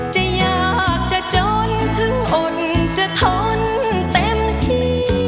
จะอยากจะจนถึงอดจะทนเต็มที่